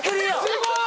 すごい！